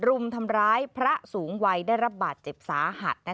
รุมทำร้ายพระสูงวัยได้รับบาดเจ็บสาหัส